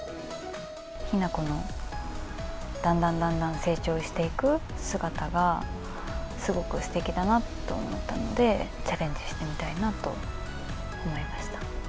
ヒナコのだんだんだんだん成長していく姿が、すごくすてきだなと思ったので、チャレンジしてみたいなと思いま